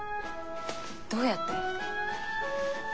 どうやって？